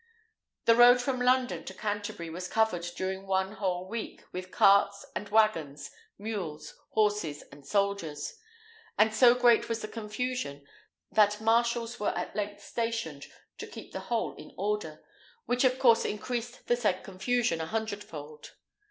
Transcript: The road from London to Canterbury was covered during one whole week with carts and waggons, mules, horses, and soldiers; and so great was the confusion, that marshals were at length stationed to keep the whole in order, which of course increased the said confusion a hundred fold.